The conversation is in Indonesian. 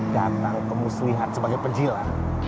datang kemu selihat sebagai penjila